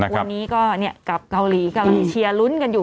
วันนี้ก็กลับเกาหลีเกาหลีเชียลุ้นกันอยู่